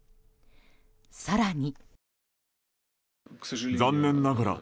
更に。